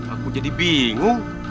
aku jadi bingung